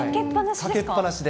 かけっぱなしで。